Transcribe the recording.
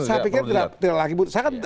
saya pikir tidak perlu dilihat